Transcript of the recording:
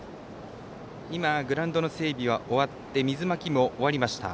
グラウンドの整備は終わって水まきも終わりました。